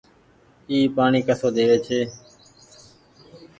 اي پآڻيٚ ڪسو ۮيوي ڇي۔